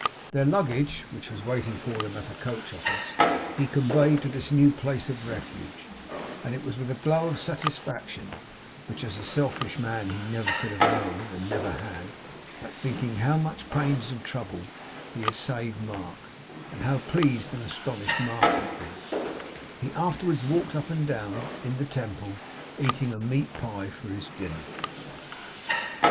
Their luggage, which was waiting for them at a coach office, he conveyed to this new place of refuge; and it was with a glow of satisfaction, which as a selfish man he never could have known and never had, that, thinking how much pains and trouble he had saved Mark, and how pleased and astonished Mark would be, he afterwards walked up and down, in the Temple, eating a meat pie for his dinner.